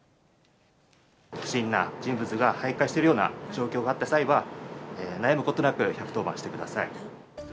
不審な人物がはいかいしているような状況があった際は、悩むことなく１１０番してください。